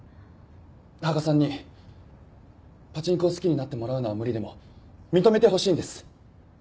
羽賀さんにパチンコを好きになってもらうのは無理でも認めてほしいんです。